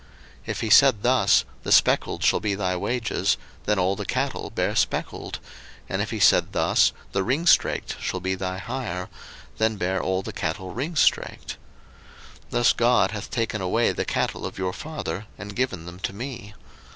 01:031:008 If he said thus, The speckled shall be thy wages; then all the cattle bare speckled: and if he said thus, The ringstraked shall be thy hire; then bare all the cattle ringstraked. 01:031:009 Thus God hath taken away the cattle of your father, and given them to me.